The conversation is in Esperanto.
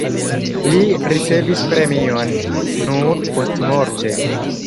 Li ricevis premion nur postmorte.